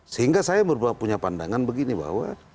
sehingga saya punya pandangan begini bahwa